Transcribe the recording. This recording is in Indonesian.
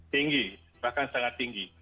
tinggi bahkan sangat tinggi